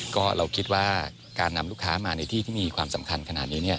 ก็เราคิดว่าการนำลูกค้ามาในที่ที่มีความสำคัญขนาดนี้